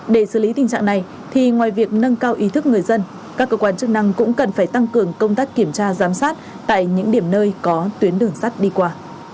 để xử lý tình trạng này thì ngoài việc nâng cao ý thức người dân các cơ quan chức năng cũng cần phải tăng cường công tác kiểm tra giám sát tại những điểm nơi có tuyến đường sắt đi qua